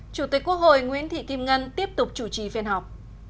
chủ tịch quốc hội nguyễn thị kim ngân tiếp tục chủ trì phiên họp